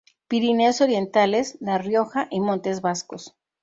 Pirineos orientales, la Rioja y montes vascos.